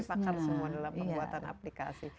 pakar semua dalam pembuatan aplikasi